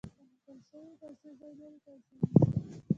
د اخیستل شویو پیسو ځای نورې پیسې نیسي